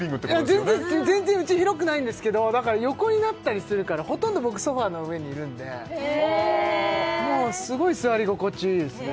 いや全然全然うち広くないんですけどだから横になったりするからほとんど僕ソファの上にいるんでへえもうすごい座り心地いいですね